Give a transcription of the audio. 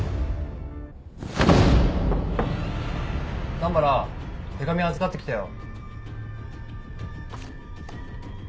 南原手紙預かってきたよ。